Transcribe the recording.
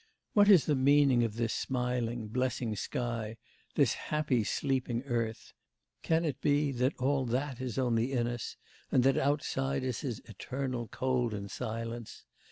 What is the meaning of this smiling, blessing sky; this happy, sleeping earth? Can it be that all that is only in us, and that outside us is eternal cold and silence?